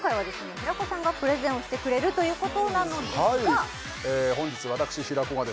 平子さんがプレゼンをしてくれるということなのですがはい